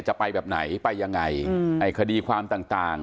จะไปแบบไหนไปยังไงไอ้คดีความต่าง